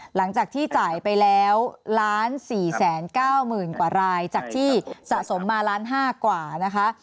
หลังจากที่จ่ายไปแล้ว๑๔๙๐๐๐กว่ารายจากที่สะสมมาล้านห้ากว่านะคะ